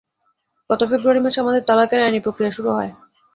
গত ফেব্রুয়ারি মাসে আমাদের তালাকের আইনি প্রক্রিয়া শুরু হয়।